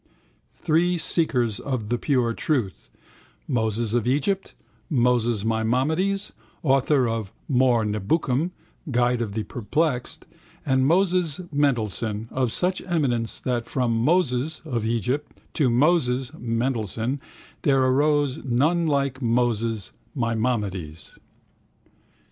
Three seekers of the pure truth, Moses of Egypt, Moses Maimonides, author of More Nebukim (Guide of the Perplexed) and Moses Mendelssohn of such eminence that from Moses (of Egypt) to Moses (Mendelssohn) there arose none like Moses (Maimonides).